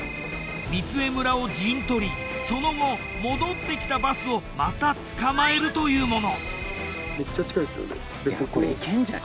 御杖村を陣取りその後戻ってきたバスをまたつかまえるというもの。